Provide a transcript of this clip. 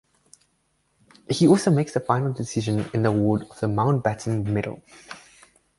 He also makes the final decision in the award of the Mountbatten Medal.